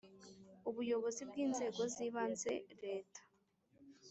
Ubuyobozi bw inzego z ibanze leta